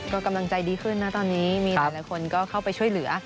ก็กำลังใจดีขึ้นนะตอนนี้มีหลายคนก็เข้าไปช่วยเหลือ